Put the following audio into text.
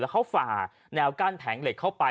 เขาฝ่าแนวกั้นแผงเหล็กเข้าไป